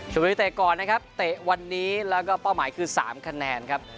บุรีเตะก่อนนะครับเตะวันนี้แล้วก็เป้าหมายคือ๓คะแนนครับ